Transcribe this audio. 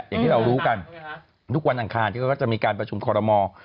อย่างที่เรารู้กันทุกวันอังคารที่เขาก็จะมีการประชุมคอรมอล์